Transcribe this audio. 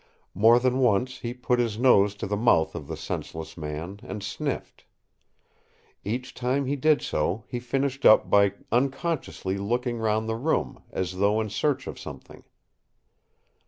More than once he put his nose to the mouth of the senseless man and sniffed. Each time he did so he finished up by unconsciously looking round the room, as though in search of something.